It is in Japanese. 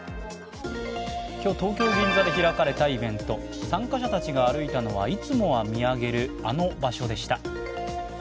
今日、東京・銀座で開かれたイベント、参加者たちが歩いたのはいつもは見上げるあの場所でした。